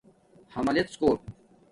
حَملژ کُوٹ